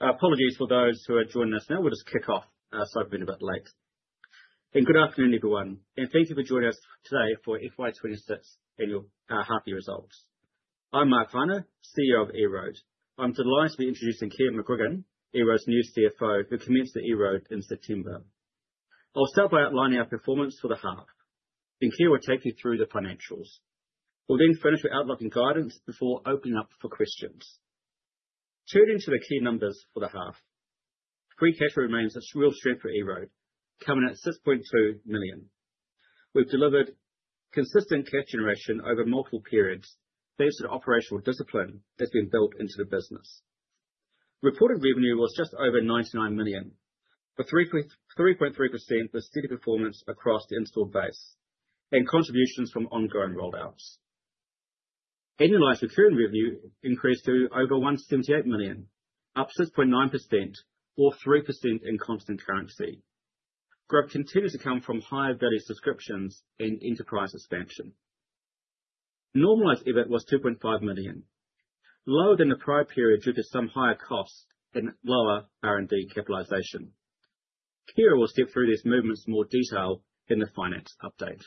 So. Apologies for those who are joining us now. We'll just kick off. Sorry we've been a bit late and good afternoon everyone and thank you for joining us today. For FY 2026 annual half year results, I'm Mark Warner, CEO of EROAD. I'm delighted to be introducing Keir McGregor, EROAD's new CFO, who commenced at EROAD in September. I'll start by outlining our performance for the half and Keir will take you through the financials. We'll then finish our outlook and guidance before opening up for questions. Turning to the key numbers for the half, free cash remains a real strength for EROAD, coming in at $6.2 million. We've delivered consistent cash generation over multiple periods thanks to the operational discipline that's been built into the business. Reported revenue was just over $99 million with 3.3% with steady performance across the installed base and contributions from ongoing rollouts. Annualized recurring revenue increased to over $178 million, up 6.9% or 3% in constant currency. Growth continues to come from higher value subscriptions and enterprise expansion. Normalized EBIT was $2.5 million lower than the prior period due to some higher costs and lower R&D capitalization. Keir will step through these movements in more detail in the Finance Update.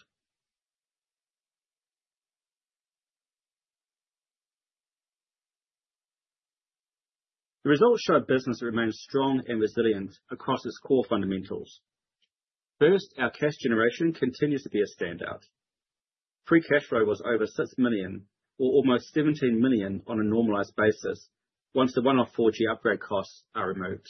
The results show business remains strong and resilient across its core fundamentals. First, our cash generation continues to be a standout. Free cash flow was over $6 million or almost $17 million on a normalized basis once the one-off 4G upgrade costs are removed.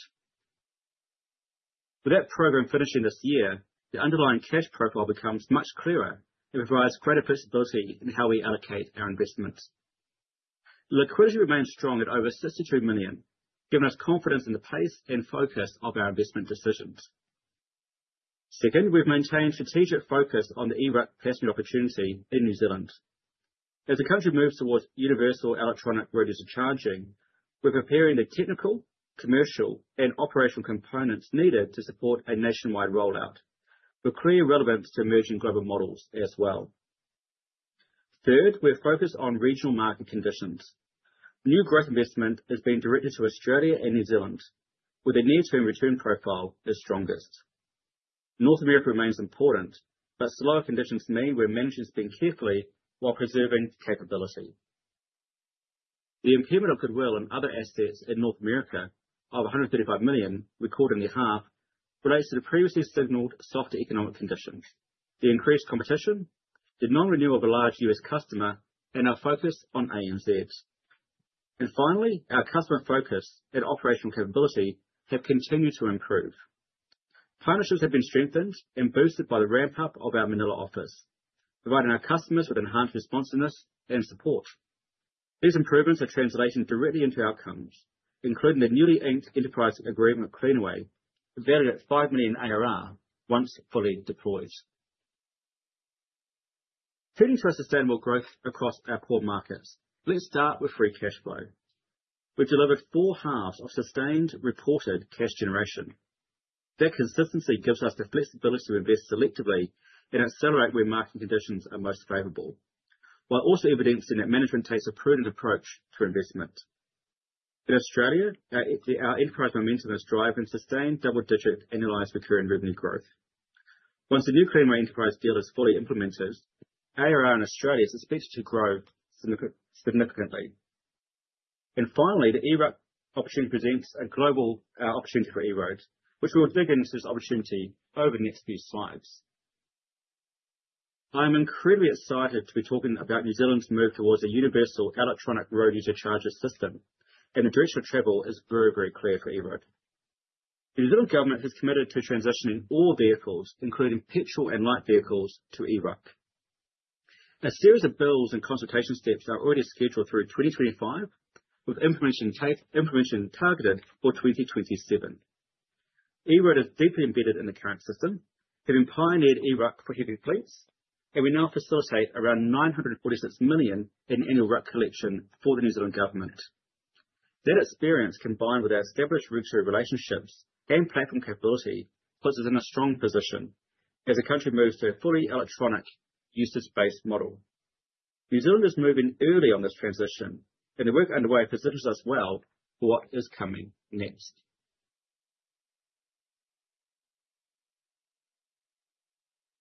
With that program finishing this year, the underlying cash profile becomes much clearer and provides greater flexibility in how we allocate our investment. Liquidity remains strong at over $62 million, giving us confidence in the pace and focus of our investment decisions. Second, we've maintained strategic focus on the ERUC passing opportunity in New Zealand as the country moves towards universal electronic road user charging. We're preparing the technical, commercial, and operational components needed to support a nationwide rollout with clear relevance to emerging global models as well. Third, we're focused on regional market conditions. New growth investment is being directed to Australia and New Zealand, where the near term return profile is strongest. North America remains important, but slower conditions mean we're managing spend carefully while preserving capability. The impairment of goodwill and other assets in North America of $135 million recorded in half relates to the previously signaled softer economic conditions, the increased competition, the non-renewal of a large U.S. customer, and our focus on ANZ. Finally, our customer focus and operational capability have continued to improve. Partnerships have been strengthened and boosted by the ramp up of our Manila office, providing our customers with enhanced responsiveness and support. These improvements are translating directly into outcomes including the newly inked Enterprise Agreement Cleanaway valued at $5 million ARR once fully deployed, heading to a sustainable growth across our core markets. Let's start with free cash flow. We've delivered four halves of sustained reported cash generation. That consistency gives us the flexibility to invest selectively and accelerate where market conditions are most favorable while also evidencing that management takes a prudent approach to investment. In Australia, our enterprise momentum is driving sustained double digit annualized recurring revenue growth. Once the new Cleanaway enterprise deal is fully implemented, ARR in Australia is expected to grow significantly and finally, the EROAD opportunity presents a global opportunity for EROAD which we will dig into this opportunity over the next few slides. I am incredibly excited to be talking about New Zealand's move towards a universal electronic road user charging system and the direction of travel is very, very clear for EROAD. The New Zealand government has committed to transitioning all vehicles, including petrol and light vehicles, to ERUC. A series of bills and consultation steps are already scheduled through 2025 with implementation targeted for 2027. EROAD is deeply embedded in the current system, having pioneered ERUC for heavy fleets and we now facilitate around $946 million in annual RUC collection for the New Zealand government. That experience, combined with our established regulatory relationships and gained platform capability, puts us in a strong position as the country moves to a fully electronic usage-based model. New Zealand is moving early on this transition, and the work underway positions us well for what is coming next.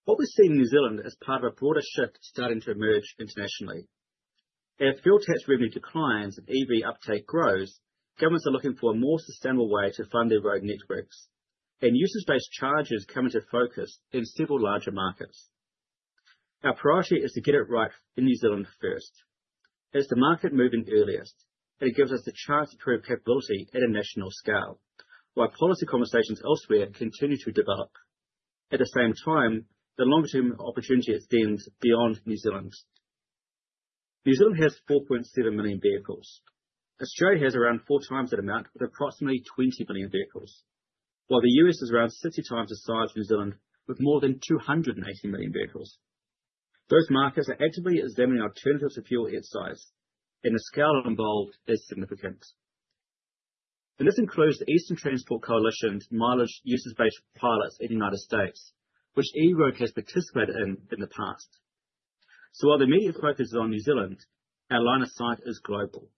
What we see in New Zealand is part of a broader shift starting to emerge internationally as fuel tax revenue declines and EV uptake grows. Governments are looking for a more sustainable way to fund their road networks, and usage-based charges come into focus in several larger markets. Our priority is to get it right in New Zealand first. As the market moving earliest, it gives us the chance to prove capability at a national scale while policy conversations elsewhere continue to develop. At the same time, the longer-term opportunity extends beyond New Zealand's. New Zealand has 4.7 million vehicles, Australia has around four times that amount with approximately 20 million vehicles, while the U.S. is around 60 times the size of New Zealand with more than 280 million vehicles. Those markets are actively examining alternatives to fuel. Its size and the scale involved is significant. This includes the Eastern Transport Coalition's mileage usage based pilots in the United States, which EROAD has participated in in the past. While the immediate focus is on New Zealand, our line of sight is global.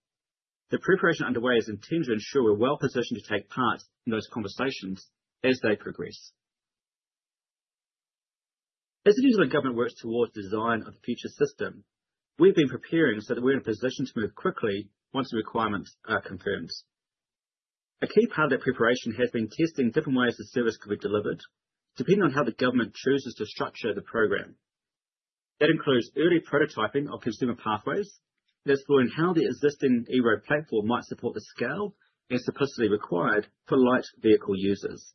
The preparation underway is intended to ensure we're well positioned to take part in those conversations as they progress. As the New Zealand government works towards design of the future system we've been preparing so that we're in a position to move quickly once the requirements are confirmed. A key part of that preparation has been testing different ways the service could be delivered depending on how the government chooses to structure the program. That includes early prototyping of consumer pathways, exploring how the existing EROAD platform might support the scale and simplicity required for light vehicle users.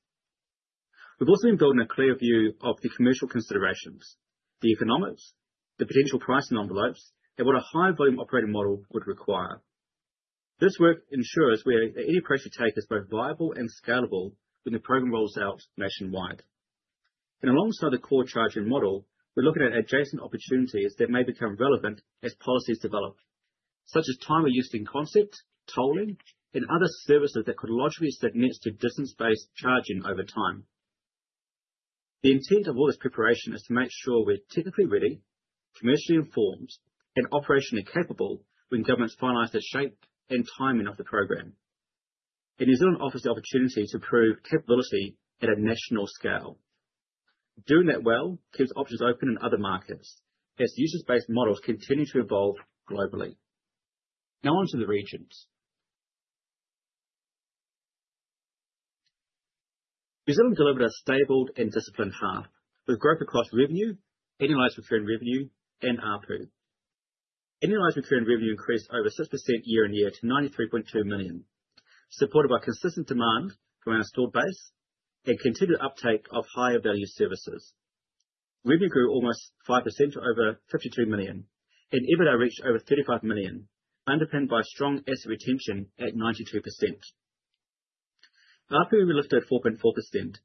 We've also been building a clear view of the commercial considerations, the economics, the potential pricing envelopes, and what a high volume operating model would require. This work ensures any pressure take is both viable and scalable. When the program rolls out nationwide and alongside the core charging model, we're looking at adjacent opportunities that may become relevant as policies develop, such as time of use in concept, tolling, and other services that could logically submit to distance based charging over time. The intent of all this preparation is to make sure we're technically ready, commercially informed, and operationally capable when governments finalize the shape and timing of the program and New Zealand offers the opportunity to improve capability at a national scale. Doing that well keeps options open in other markets as user-based models continue to evolve globally. Now onto the regions. New Zealand delivered a stable and disciplined half with growth across revenue, annualized recurring revenue, and ARPU. Annualized recurring revenue increased over 6% year on year to $93.2 million, supported by consistent demand from our installed base and continued uptake of higher value services. Revenue grew almost 5% to over $52 million and EBITDA reached over $35 million, underpinned by strong asset retention at 92% after revenue lifted 4.4%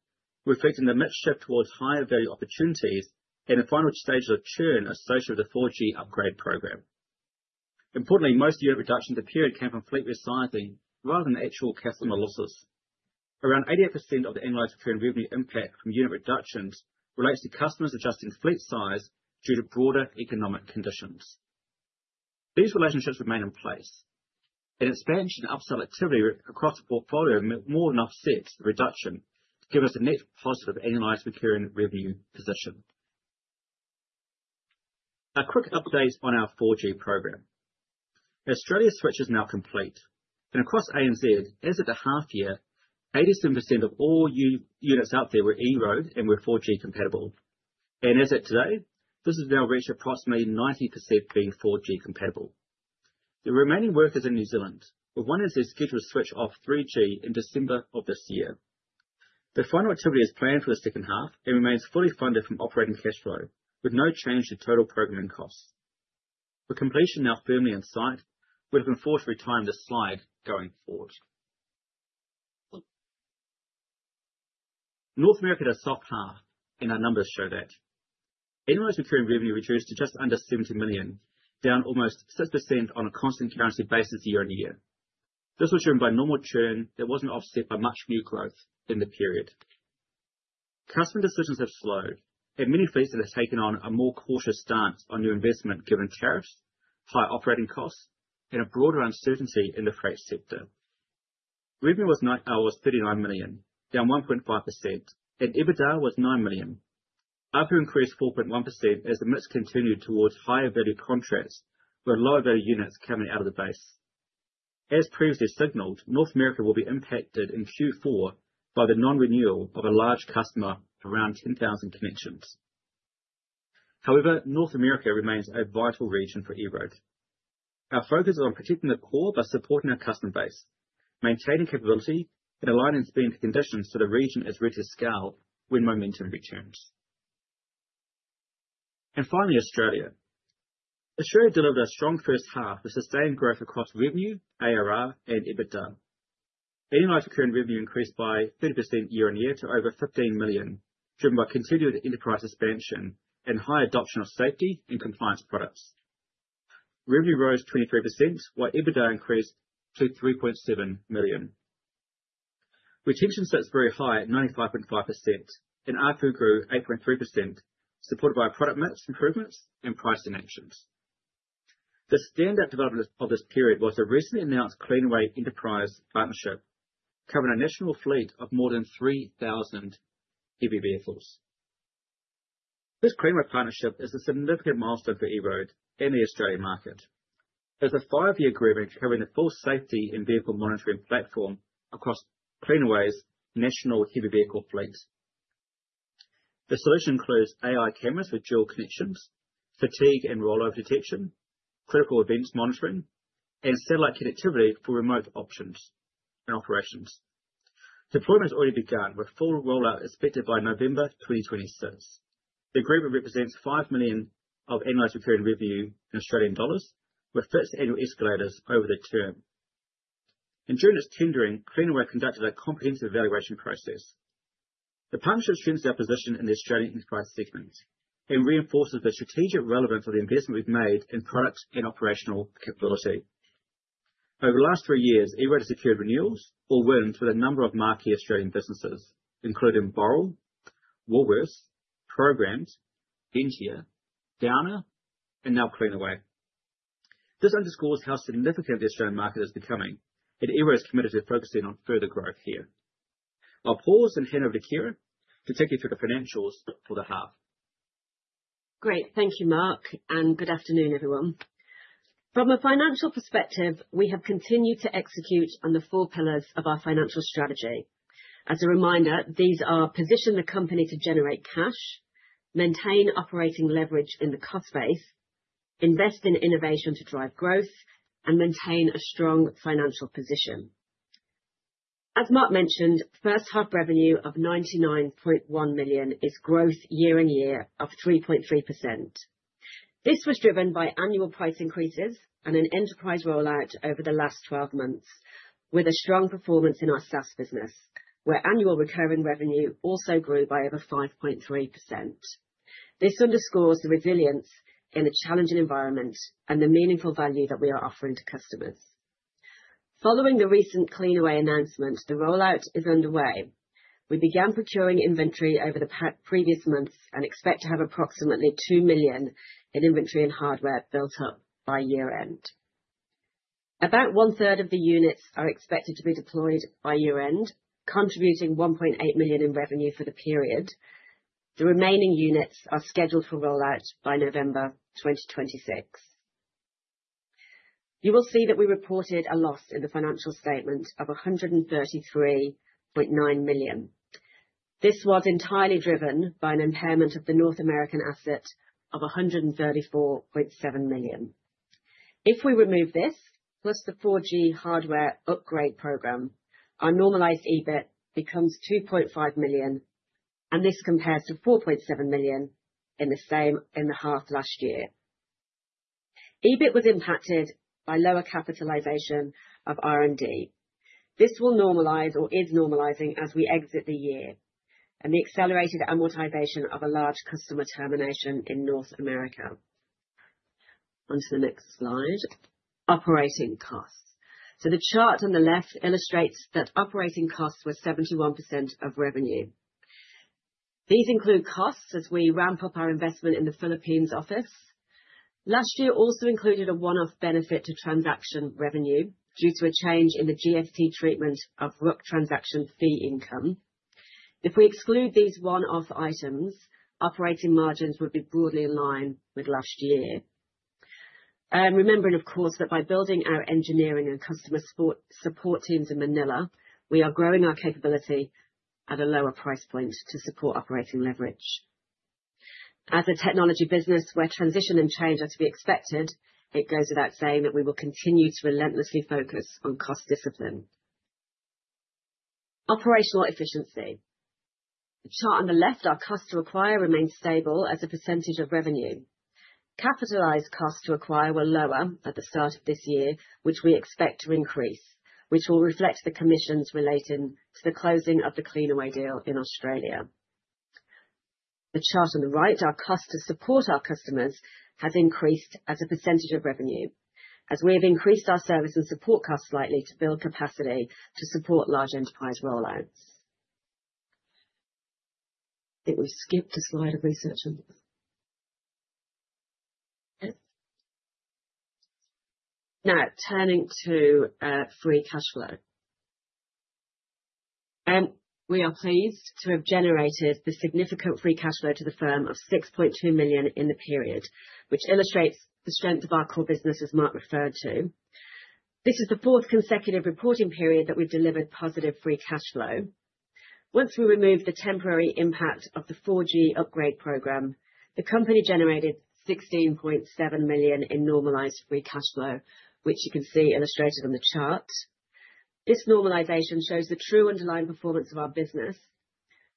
reflecting the mixed shift towards higher value opportunities and the final stages of churn associated with the 4G upgrade program. Importantly, most unit reductions appeared came from fleet resizing rather than actual customer losses. Around 88% of the annualized churn revenue impact from unit reductions relates to customers adjusting fleet size. Due to broader economic conditions, these relationships remain in place. An expansion of upsell activity across the portfolio meant more than offset reduction to give us a net positive annualized recurring revenue position. A quick update on our 4G program. Australia's switch is now complete and across ANZ as of the half year 87% of all units out there were EROAD and were 4G compatible, and as of today this has now reached approximately 90% being 4G compatible. The remaining work is in New Zealand with One NZ scheduled to switch off 3G in December of this year. The final activity is planned for the second half and remains fully funded from operating cash flow with no change to total programming costs. With completion now firmly in sight, we have been forced to retire this slide. Going forward, North America had a soft path and our numbers show that North America's recurring revenue reduced to just under $70 million, down almost 6% on a constant currency basis year on year. This was driven by normal churn that wasn't offset by much new growth in the period. Customer decisions have slowed and many fleet has taken on a more cautious stance on new investment given tariffs, high operating costs and a broader uncertainty in the freight sector. Revenue was $ 39 million, down 1.5%, and EBITDA was $9 million. ARPU increased 4.1% as the mix continued towards higher value contracts with lower value units coming out of the base. As previously signalled, North America will be impacted in Q4 by the non renewal of a large customer of around 10,000 connections. However, North America remains a vital region for EROAD. Our focus is on protecting the core by supporting our customer base, maintaining capability and aligning spend conditions so the region is ready to scale when momentum returns. Australia delivered a strong first half with sustained growth across revenue, ARR and EBITDA. Annualized Recurring Revenue increased by 30% year on year to over 15 million, driven by continued enterprise expansion and high adoption of safety and compliance products. Revenue rose 23% while EBITDA increased to 3.7 million. Retention sits very high at 95.5% and ARPU grew 8.3% supported by product mix improvements and pricing actions. The standout development of this period was the recently announced Cleanaway Enterprise Partnership covering a national fleet of more than 3,000 heavy vehicles. This Cleanaway Partnership is a significant milestone for EROAD and the Australian market. There is a five year agreement covering the full safety and vehicle monitoring platform across Cleanaway's national heavy vehicle fleets. The solution includes AI cameras with dual connections, fatigue and rollover detection, critical events monitoring, and satellite connectivity for remote options and operations. Deployment has already begun with full rollout expected by November 2026. The agreement represents 5 million of annualized recurring revenue with fits the annual escalators. Over the term and during its tendering, Cleanaway conducted a comprehensive evaluation process. The partnership strengthens our position in the Australian enterprise segment and reinforces the strategic relevance of the investment we've made in product and operational capability. Over the last three years, EROAD has secured renewals or wins with a number of marquee Australian businesses including Boral, Woolworths, Programs, Ventia, Downer and now Cleanaway. This underscores how significant the Australian market is becoming and EROAD is committed to focusing on further growth here. I'll pause and hand over to Keir to take you through the financials for the half. Great. Thank you Mark and good afternoon everyone. From a financial perspective, we have continued to execute on the four pillars of our financial strategy. As a reminder, these are position the company to generate cash, maintain operating leverage in the cost base, invest in innovation to drive growth and maintain a strong financial position. As Mark mentioned, first half revenue of $99.1 million is growth year on year of 3.3%. This was driven by annual price increases and an enterprise rollout over the last 12 months with a strong performance in our SaaS business where annual recurring revenue also grew by over 5.3%. This underscores the resilience in a challenging environment and the meaningful value that we are offering to customers. Following the recent Cleanaway announcement, the rollout is underway. We began procuring inventory over the previous months and expect to have approximately $2 million in inventory and hardware built up by year end. About one third of the units are expected to be deployed by year end, contributing $1.8 million in revenue for the period. The remaining units are scheduled for rollout by November 2026. You will see that we reported a loss in the financial statement of $133.9 million. This was entirely driven by an impairment of the North American asset of $134.7 million. If we remove this plus the 4G hardware upgrade program, our normalized EBIT becomes $2.5 million and this compares to $4.7 million in the same in the half last year. EBIT was impacted by lower capitalization of R&D. This will normalize or is normalizing as we exit the year and the accelerated amortization of a large customer termination in North America onto the next slide. Operating costs, so the chart on the left illustrates that operating costs were 71% of revenue. These include costs as we ramp up our investment in the Philippines office. Last year also included a one-off benefit to transaction revenue due to a change in the GST treatment of RUC transaction fee income. If we exclude these one-off items, operating margins would be broadly in line with last year. Remembering of course that by building our engineering and customer support teams in Manila we are growing our capability at a lower price point to support operating leverage as a technology business where transition and change are to be expected. It goes without saying that we will continue to relentlessly focus on cost discipline and operational efficiency. The chart on the left, our cost to acquire remains stable as a percentage of revenue. Capitalized costs to acquire were lower at the start of this year, which we expect to increase, which will reflect the commissions relating to the closing of the Cleanaway deal in Australia. The chart on the right, our cost to support our customers has increased as a percentage of revenue as we have increased our service and support costs slightly to build capacity to support large enterprise rollouts. I think we've skipped a slide of research. Now turning to free cash flow. We are pleased to have generated the significant free cash flow to the firm of $6.2 million in the period, which illustrates the strength of our core business. As Mark referred to, this is the fourth consecutive reporting period that we've delivered positive free cash flow. Once we removed the temporary impact of the 4G upgrade program, the company generated $16.7 million in normalised free cash flow which you can see illustrated on the chart. This normalisation shows the true underlying performance of our business.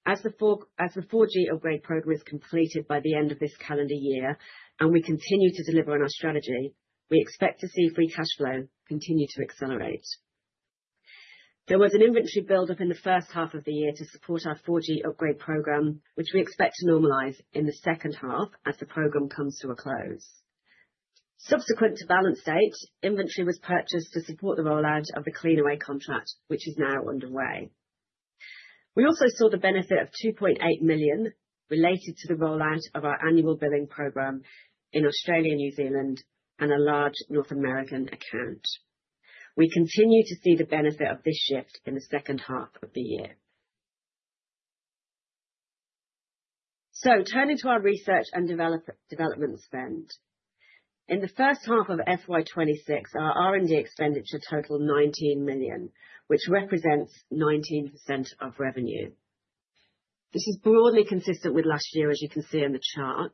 As the 4G upgrade program is completed by the end of this calendar year and we continue to deliver on our strategy, we expect to see free cash flow continue to accelerate. There was an inventory buildup in the first half of the year to support our 4G upgrade program which we expect to normalise in the second half as the program comes to a close. Subsequent to balance date, inventory was purchased to support the rollout of the Cleanaway contract which is now underway. We also saw the benefit of $2.8 million related to the rollout of our annual billing program in Australia, New Zealand and a large North American account. We continue to see the benefit of this shift in the second half of the year. Turning to our research and development spend, in the first half of FY 2026 our R&D expenditure totaled $19 million which represents 19% of revenue. This is broadly consistent with last year. As you can see in the chart,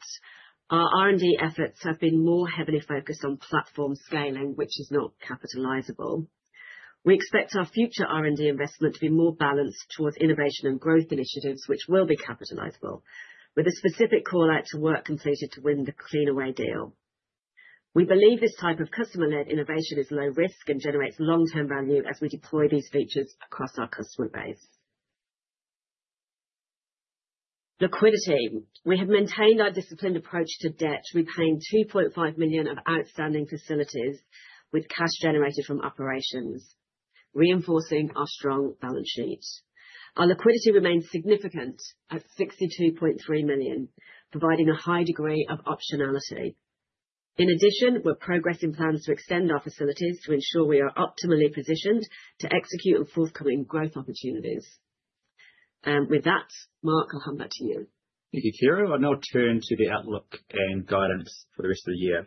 our R&D efforts have been more heavily focused on platform scaling which is not capitalizable. We expect our future R&D investment to be more balanced towards innovation and growth initiatives which will be capitalizable with a specific call out to work completed to win the Cleanaway deal. We believe this type of customer led innovation is low risk and generates long term value as we deploy these features across our customer base. Liquidity, we have maintained our disciplined approach to debt, repaying 2.5 million of outstanding facilities with cash generated from operations, reinforcing our strong balance sheet. Our liquidity remains significant at 62.3 million, providing a high degree of optionality. In addition, we're progressing plans to extend our facilities to ensure we are optimally positioned to execute on forthcoming growth opportunities. With that, Mark, I'll hand back to you. Thank you Kier. I'll now turn to the outlook and guidance for the rest of the year.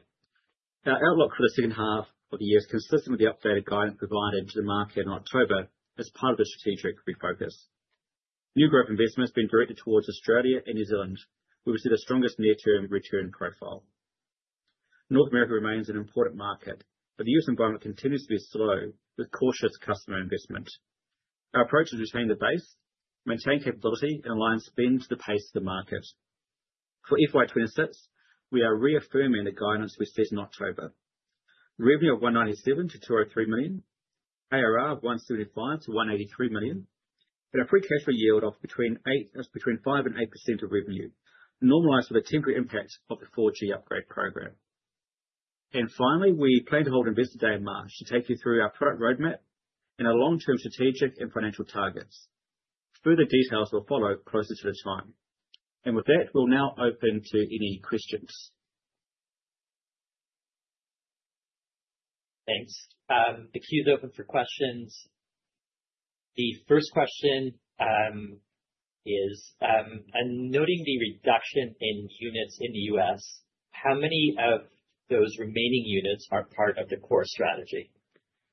Our outlook for the second half of the year is consistent with the updated guidance provided to the market in October. As part of the strategic refocus, new growth investment has been directed towards Australia and New Zealand where we see the strongest near term return profile. North America remains an important market but the U.S. environment continues to be slow with cautious customer investment. Our approach is retain the base, maintain capability and align spend to the pace of the market. For FY 2026 we are reaffirming the guidance we set in October: revenue of $197 million-$203 million, ARR of $175 million-$183 million and a free cash flow yield of between 5%-8% of revenue normalized with a temporary impact of the 4G upgrade program. Finally, we plan to hold Investor Day in March to take you through our product roadmap and our long term strategic and financial targets. Further details will follow closer to the time and with that we'll now open to any questions. Thanks. The queue is open for questions. The first question is noting the reduction in units in the U.S. How many of those remaining units are part of the core strategy?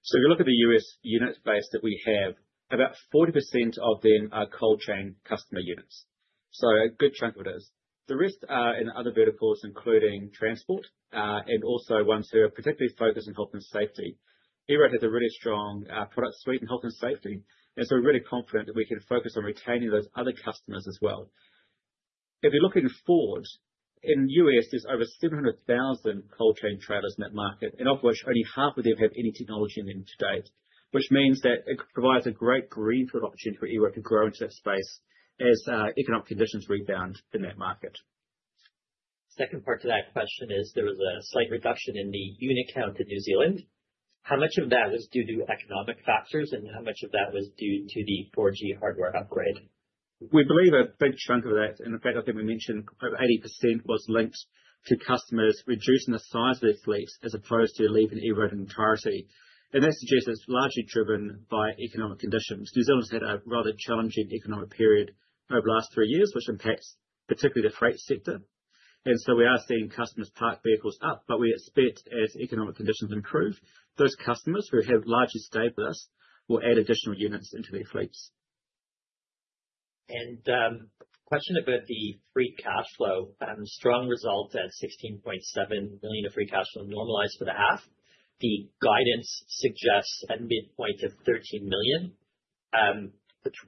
If you look at the U.S. unit base that we have, about 40% of them are cold chain customer units. A good chunk of it is. The rest are in other verticals, including transport and also ones who are particularly focused on health and safety. EROAD has a really strong product suite in health and safety and so we're really confident that we can focus on retaining those other customers as well. If you're looking forward in the U.S., there's over 700,000 cold chain trailers in that market, of which only half of them have any technology in them today. Which means that it provides a great greenfield opportunity for EROAD to grow into that space as economic conditions rebound in that market. Second part to that question is there was a slight reduction in the unit count in New Zealand. How much of that was due to? Economic factors and how much of that was due to the 4G hardware upgrade? We believe a big chunk of that. In fact, I think we mentioned over 80% was linked to customers reducing the size of their fleets as opposed to leaving EROAD entirely. That suggests it is largely driven by economic conditions. New Zealand's had a rather challenging economic period over the last three years, which impacts particularly the freight sector. We are seeing customers park vehicles up. We expect as economic conditions improve, those customers who have largely stayed with us will add additional units into their fleets. Question about the free cash flow. Strong result at $16.7 million of free cash flow normalized for the half. The guidance suggests a midpoint of $13 million.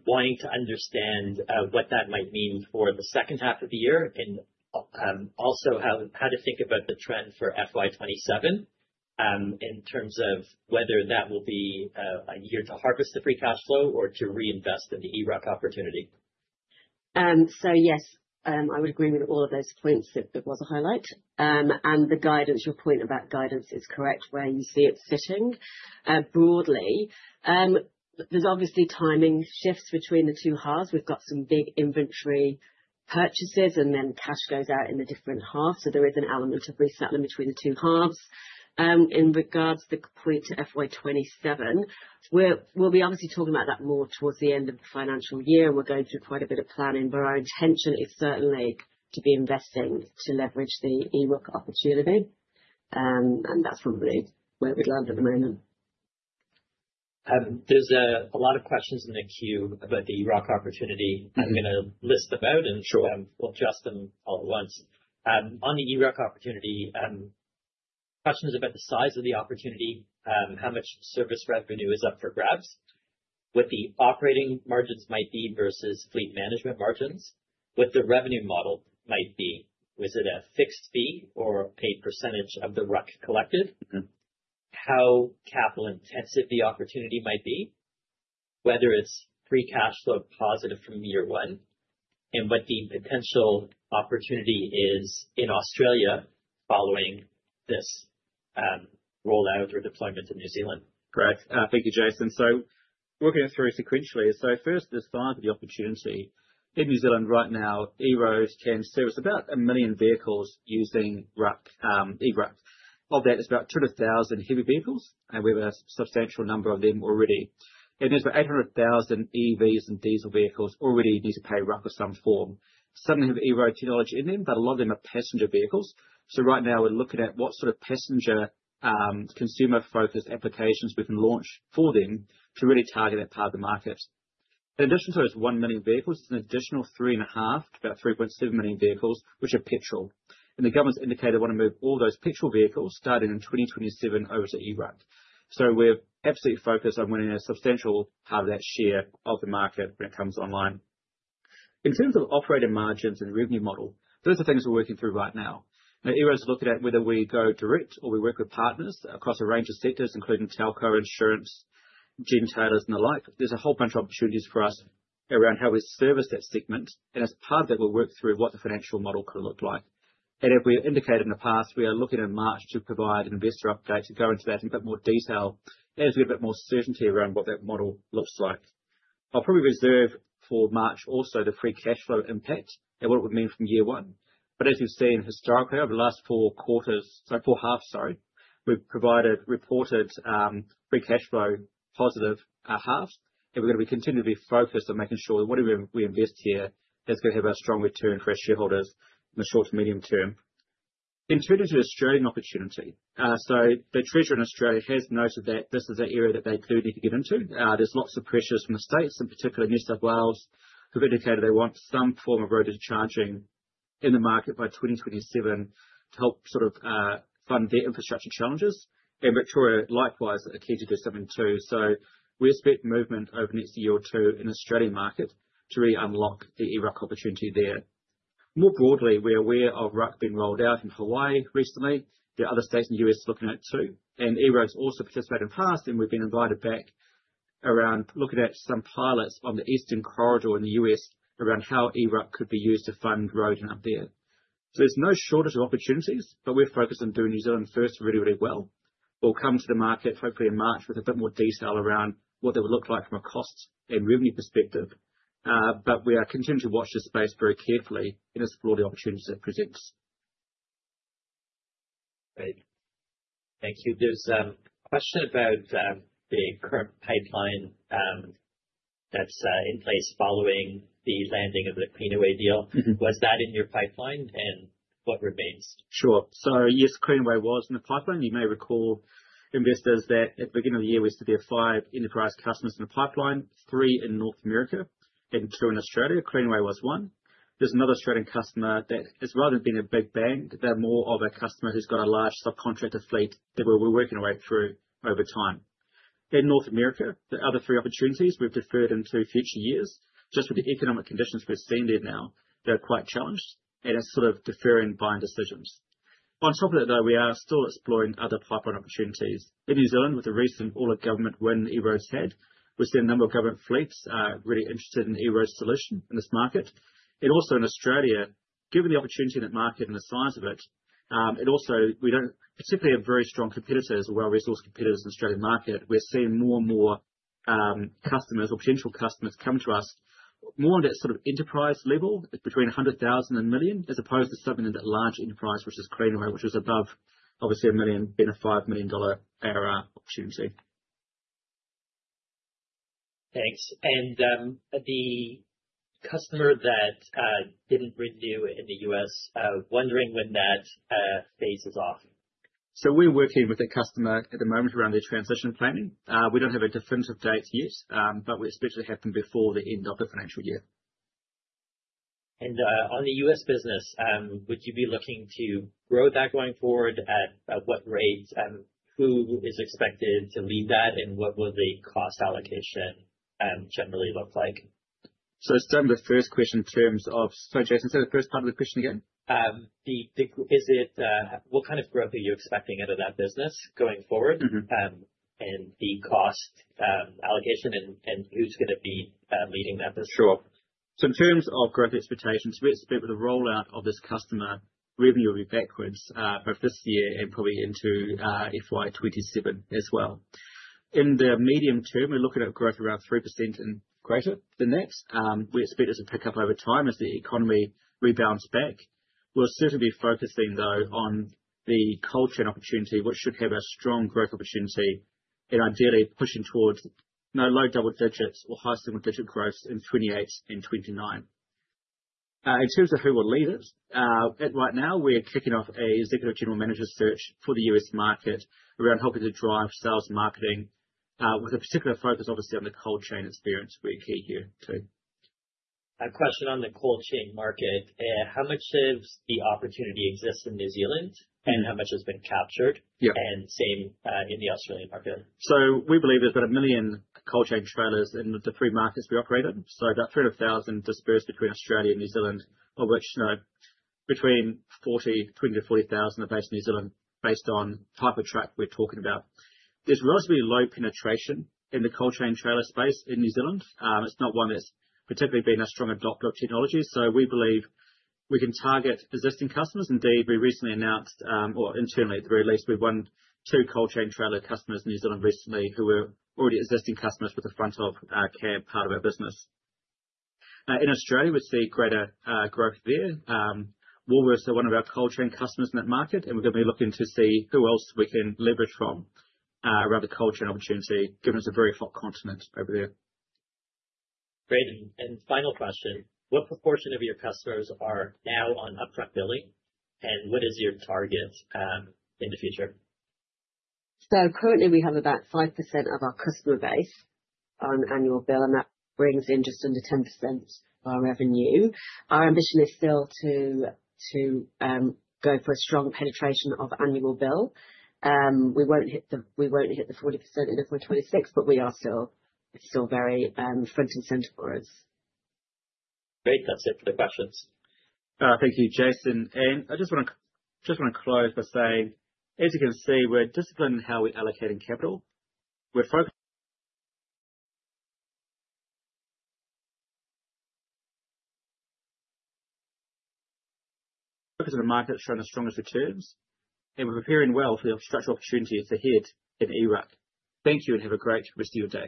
Wanting to understand what that might mean for the second half of the year and also how to think about the trend for FY 2027 in terms of whether that will be a year to harvest the free cash flow or to reinvest in the EROAD opportunity. Yes, I would agree with all of those points. It was a highlight. The guidance, your point about guidance is correct. Where you see it sitting broadly, there's obviously timing shifts between the two halves. We've got some big inventory purchases and then cash goes out in the different halves. There is an element of resettlement between the two halves. In regards to the point to FY 2027, we'll be obviously talking about that more towards the end of the financial year. We're going through quite a bit of planning, but our intention is certainly to be investing, to leverage the EROAD opportunity, and that's probably where we'd land at the moment. There's a lot of questions in the queue about the ERUC opportunity. I'm going to list them out and we'll address them all at once on the ERUC opportunity. Questions about the size of the opportunity, how much service revenue is up for grabs, what the operating margins might be versus fleet management margins, what the revenue model might be, was it a fixed fee or paid percentage of the RUC collected, how capital intensive the opportunity might be, whether it's free cash flow positive from year one and what the potential opportunity is in Australia following this rollout or deployment in New Zealand. Correct. Thank you, Jason. Working it through sequentially. First, the size of the opportunity in New Zealand. Right now, EROAD can service about 1 million vehicles using ERUC. Of that, about 200,000 are heavy vehicles. We have a substantial number of them already, and there are about 800,000 EVs and diesel vehicles that already need to pay RUC of some form. Some have EROAD technology in them, but a lot of them are passenger vehicles. Right now, we are looking at what sort of passenger consumer-focused applications we can launch for them to really target that part of the market. In addition to those 1 million vehicles, there are an additional 3.5-3.7 million vehicles which are petrol. The government has indicated they want to move all those petrol vehicles starting in 2027 over to ERUC. We are absolutely focused on winning a substantial part of that share of the market when it comes online. In terms of operating margins and revenue model, those are things we are working through right now. EROAD is looking at whether we go direct or we work with partners across a range of sectors including telco, insurance, gen tailors and the like. There is a whole bunch of opportunities for us around how we service that segment and as part of that we will work through what the financial model could look like. As we indicated in the past, we are looking in March to provide investor updates and go into that in a bit more detail as we get a bit more certainty around what that model looks like. I will probably reserve for March also the free cash flow impact and what it would mean from year one. As you've seen historically over the last four quarters—sorry, four halves, sorry—we've provided reported free cash flow positive halves, and we're going to be continuing to be focused on making sure that whatever we invest here is going to have a strong return for our shareholders in the short to medium term. In turning to the Australian opportunity, the treasury in Australia has noted that this is an area that they clearly could get into. There's lots of pressures from the States, in particular New South Wales, who've indicated they want some form of road discharging in the market by 2027 to help sort of fund their infrastructure challenges. Victoria likewise are key to 2027 too. We expect movement over the next year or two in the Australian market to really unlock the ERUC opportunity there more broadly. We're aware of RUC being rolled out in Hawaii recently. There are other states in the U.S. looking at it too, and EROAD's also participated in past and we've been invited back around looking at some pilots on the Eastern Corridor in the U.S. around how ERUC could be used to fund road in up there. There's no shortage of opportunities. We're focused on doing New Zealand first really, really well. We'll come to the market hopefully in March with a bit more detail around. What that would look like from a. Cost and revenue perspective. We are continuing to watch this space very carefully and explore the opportunities it presents. Thank you. There's a question about the current pipeline that's in place following the landing of the Cleanaway deal. Was that in your pipeline and what remains? Sure. Yes, Cleanaway was in the pipeline. You may recall, investors, that at the beginning of the year we said there were five enterprise customers in the pipeline, three in North America and two in Australia. Cleanaway was one. There is another Australian customer that is, rather than being a big bank, more of a customer who has a large subcontractor fleet that we will be working our way through over time. In North America, the other three opportunities we have deferred into future years just with the economic conditions we are seeing there now. They are quite challenged and are sort of deferring buying decisions. On top of that, though, we are still exploring other pipeline opportunities in New Zealand. With the recent government win EROAD had, we have seen a number of government fleets really interested in EROAD's solution in this market and also in Australia. Given the opportunity in that market and the size of also, we do not particularly have very strong competitors, well resourced competitors in the Australian market. We are seeing more and more customers or potential customers come to us more on that sort of enterprise level between 100,000 and 1 million as opposed to something in that large enterprise which is Cleanaway, which is above obviously 1 million being a 5 million dollar ARR opportunity. Thanks. The customer that didn't renew in the US is wondering when that phase is off. We're working with the customer at the moment around their transition planning. We don't have a definitive date yet, but we especially have them before the end of the financial year. On the US business, would you be looking to grow that going forward? At what rate? Who is expected to lead that and what will the cost allocation generally look like? Let's start with the first question in terms of—sorry, Jason, say the first part of the question again. What kind of growth are you expecting out of that business going forward and the cost allocation and who's going to be leading that business? Sure. In terms of growth expectations, we expect with the rollout of this customer, revenue will be backwards both this year and probably into FY 2027 as well. In the medium term, we're looking at growth around 3% and greater than that. We expect it to pick up over time as the economy rebounds back. We'll certainly be focusing though on the cold chain opportunity which should have a strong growth opportunity and ideally pushing towards low double digits or high single digit growth in 2028 and 2029. In terms of who will lead it, right now we're kicking off an Executive General Manager search for the U.S. market around helping to drive sales marketing with a particular focus obviously on the cold chain experience. Very key here too, a question on. The cold chain market. How much of the opportunity exists in New Zealand and how much has been captured and same in the Australian market? We believe there's about 1 million cold chain trailers in the three markets we operate in. About 300,000 are dispersed between Australia and New Zealand, of which between 20,000-40,000 are based in New Zealand. Based on the type of truck we're talking about, there's relatively low penetration in the cold chain trailer space in New Zealand. It's not one that's particularly been a strong adopter of technology. We believe we can target existing customers. Indeed, we recently announced, or internally at the very least, we've won two cold chain trailer customers in New Zealand recently who were already existing customers with the frontal cab part of our business in Australia. We see greater growth there. Woolworths are one of our cold chain customers in that market, and we're going to be looking to see who else we can leverage from around the cold chain opportunity given us a very hot continent over there. Great. Final question. What proportion of your customers are now on upfront billing and what is your target in the future? Currently we have about 5% of our customer base on annual bill and that brings in just under 10% of our revenue. Our ambition is still to go for a strong penetration of annual bill. We won't hit the 40% in FY2026, but it is still very front and center for us. Great. That's it for the questions. Thank you. Jason and I just want to close by saying, as you can see, we're disciplined in how we're allocating capital. We're focused on the market showing the strongest returns and we're preparing well for the structural opportunities ahead in EROAD. Thank you and have a great rest of your day.